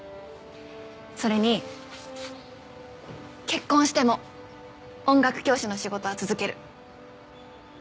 それに結婚しても音楽教師の仕事は続ける。